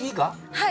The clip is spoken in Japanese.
はい。